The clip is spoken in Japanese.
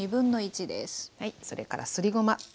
それからすりごま。